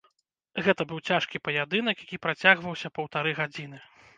Гэта быў цяжкі паядынак, які працягваўся паўтары гадзіны.